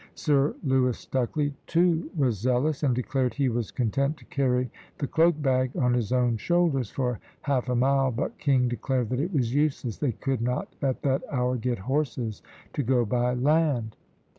Sir Lewis Stucley too was zealous; and declared he was content to carry the cloak bag on his own shoulders, for half a mile, but King declared that it was useless, they could not at that hour get horses to go by land.